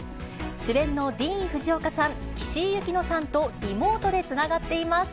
主演のディーン・フジオカさん、岸井ゆきのさんと、リモートでつながっています。